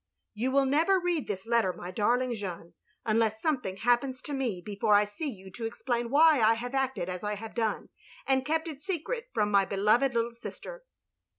" You will never read this letter, my darling Jeanne, unless something happens to me before I see you to explain why I have acted as I have done, and kept it secret from my beloved little sister.